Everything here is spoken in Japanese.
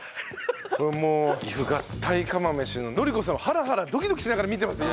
もう岐阜合体釜飯の典子さんはハラハラドキドキしながら見てますよ